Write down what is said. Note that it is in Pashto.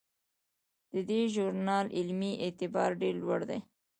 د دې ژورنال علمي اعتبار ډیر لوړ دی.